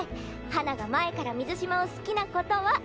花が前から水嶋を好きなことは。